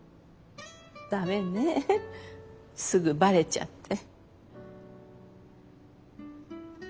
駄目ねすぐばれちゃって。